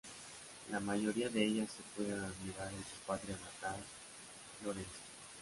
La mayoría de ellas se pueden admirar en su patria natal, Florencia.